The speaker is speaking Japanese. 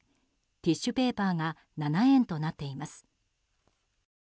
ティッシュペーパーが７円となっています。